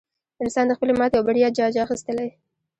انسان د خپلې ماتې او بریا جاج اخیستلی.